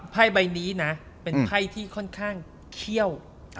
ไพ่ใบนี้นะเป็นไพ่ที่ค่อนข้างเขี้ยว